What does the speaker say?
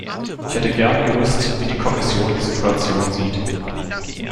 Ich hätte gern gewusst, wie die Kommission die Situation sieht.